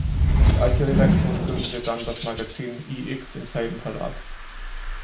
Die alte Redaktion gründete dann das Magazin "iX" im selben Verlag.